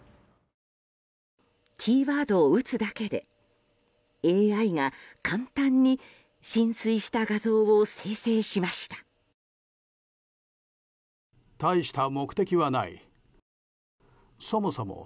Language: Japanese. キーワードを打つだけでＡＩが、簡単に浸水した画像を生成しました。